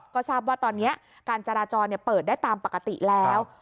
ก็ทราบว่าตอนนี้การจราจรเปิดได้ตามปกติแล้ว